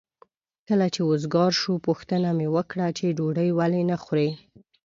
کله چې وزګار شو پوښتنه مې وکړه چې ډوډۍ ولې نه خورې؟